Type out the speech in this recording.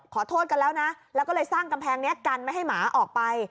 ขอโทษกันแล้วนะแล้วก็เลยสร้างกำแพงนี้กันไม่ให้หมาออกไป